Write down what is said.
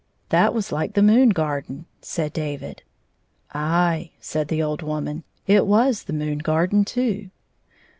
" That was like the moon garden," said David. •*Aye," said the old woman. "It was the moon garden, too."